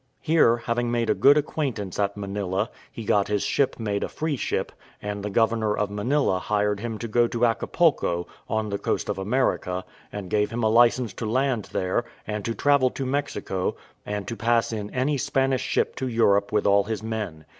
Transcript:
Here, having made a good acquaintance at Manilla, he got his ship made a free ship, and the governor of Manilla hired him to go to Acapulco, on the coast of America, and gave him a licence to land there, and to travel to Mexico, and to pass in any Spanish ship to Europe with all his men.